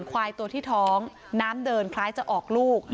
ควายตัวที่ท้องน้ำเดินคล้ายจะออกลูก